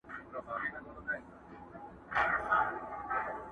د حق وینا یمه دوا غوندي ترخه یمه زه،